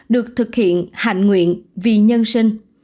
được thực hiện hạnh nguyện vì nhân sinh